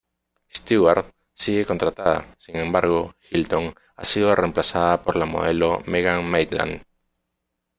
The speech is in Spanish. Stewart sigue contratada, sin embargo, Hilton ha sido reemplazada por la modelo Megan Maitland.